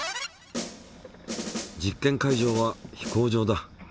実験会場は飛行場だ。